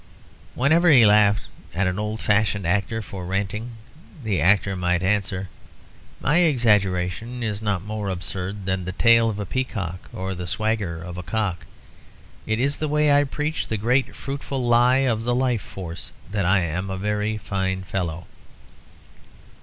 Whenever he laughed at an old fashioned actor for ranting, the actor might answer, "My exaggeration is not more absurd than the tail of a peacock or the swagger of a cock; it is the way I preach the great fruitful lie of the life force that I am a very fine fellow."